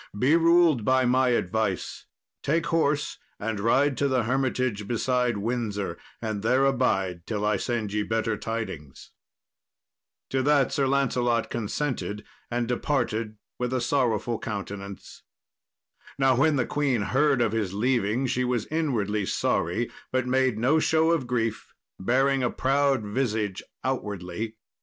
Be ruled by my advice. Take horse and ride to the hermitage beside Windsor, and there abide till I send ye better tidings." To that Sir Lancelot consented, and departed with a sorrowful countenance. Now when the queen heard of his leaving she was inwardly sorry, but made no show of grief, bearing a proud visage outwardly.